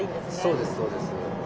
そうですそうです。